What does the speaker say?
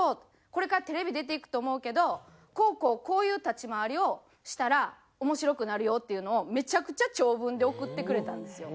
「これからテレビ出ていくと思うけどこうこうこういう立ち回りをしたら面白くなるよ」っていうのをめちゃくちゃ長文で送ってくれたんですよ。